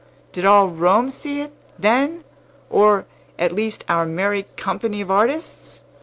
Did all Rome see it, then? Or, at least, our merry company of artists?